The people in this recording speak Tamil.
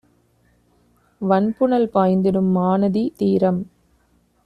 வண்புனல் பாய்ந்திடும் மாநதி தீரம்